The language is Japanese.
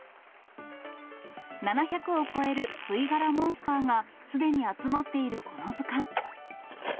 ７００を超える吸い殻モンスターが、すでに集まっている、この図鑑。